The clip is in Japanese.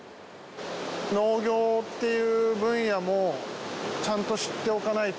農業っていう分野もちゃんと知っておかないと。